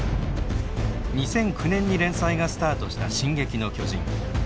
２００９年に連載がスタートした「進撃の巨人」。